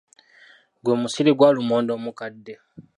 Gwe musiri gwa lumonde omukadde.